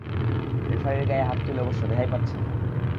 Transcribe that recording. রেফারির গায়ে হাত তুলে অবশ্য রেহাই পাচ্ছেন না।